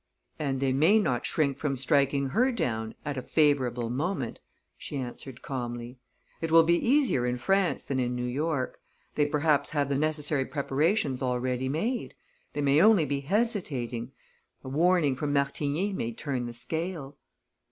"And they may not shrink from striking her down, at a favorable moment," she answered calmly. "It will be easier in France than in New York they perhaps have the necessary preparations already made they may be only hesitating a warning from Martigny may turn the scale."